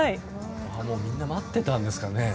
みんな待ってたんですかね。